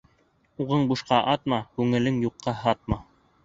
Уғың бушҡа атма, күңелең юҡҡа һатма.